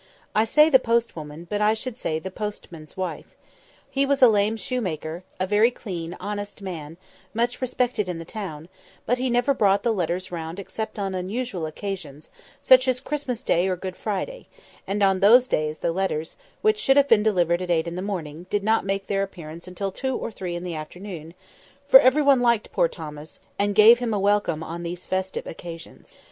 I say the post woman, but I should say the postman's wife. He was a lame shoemaker, a very clean, honest man, much respected in the town; but he never brought the letters round except on unusual occasions, such as Christmas Day or Good Friday; and on those days the letters, which should have been delivered at eight in the morning, did not make their appearance until two or three in the afternoon, for every one liked poor Thomas, and gave him a welcome on these festive occasions.